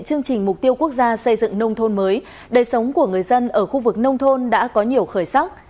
chương trình mục tiêu quốc gia xây dựng nông thôn mới đời sống của người dân ở khu vực nông thôn đã có nhiều khởi sắc